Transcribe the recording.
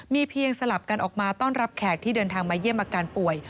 มีเพียงสลับกันออกมาต้อนรับแขกที่เดินทางมาเยี่ยมอาการป่วย